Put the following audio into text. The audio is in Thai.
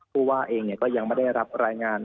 ผู้ว่าเองก็ยังไม่ได้รับรายงาน